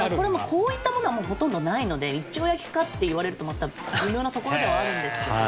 こういったものはもうほとんどないので一丁焼きかって言われるとまた微妙なところではあるんですけど。